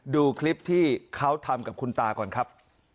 ดูคลิปที่เขาทำกับคุณตาก่อนครับ